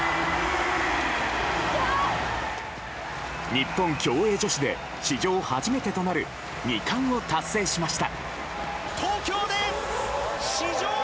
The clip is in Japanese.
日本、競泳女子で史上初めてとなる２冠を達成しました。